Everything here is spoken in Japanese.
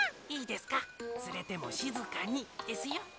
いいですかつれてもしずかにですよ。